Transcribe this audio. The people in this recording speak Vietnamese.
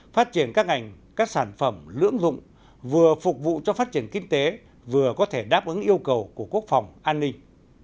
phát triển các ngành các sản phẩm lưỡng dụng vừa phục vụ cho phát triển kinh tế vừa có thể đáp ứng yêu cầu của quốc phòng an ninh